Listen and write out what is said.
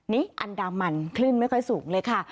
นี่อันดามันคลื่นไม่ค่อยสูงเลยค่ะ